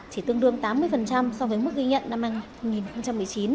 chỉ tương đương tám mươi so với mức ghi nhận năm hai nghìn một mươi chín